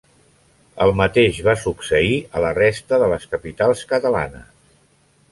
El mateix va succeir a la resta de les capitals catalanes.